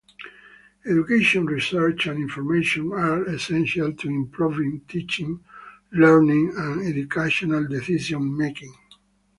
Education research and information are essential to improving teaching, learning, and educational decision-making.